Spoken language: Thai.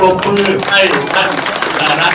บลงมือให้ทั้งหลานทัก